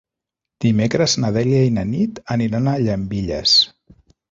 Dimecres na Dèlia i na Nit aniran a Llambilles.